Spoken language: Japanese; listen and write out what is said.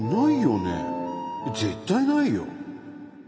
絶対ないよ！